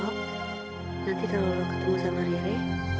mpo nanti kalau lo ketemu sama rere